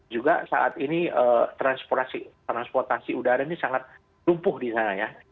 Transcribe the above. juga saat ini transportasi udara ini sangat lumpuh di sana ya